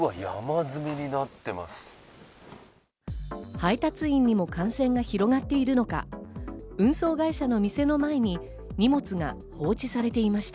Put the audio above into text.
配達員にも感染が広がっているのか運送会社の店の前に荷物が放置されていました。